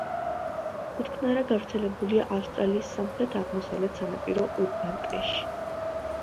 კუდქნარა გავრცელებულია ავსტრალიის სამხრეთ-აღმოსავლეთ სანაპირო უღრან ტყეში.